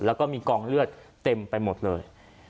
แล้วก็มีกองเลือดเต็มไปหมดเลย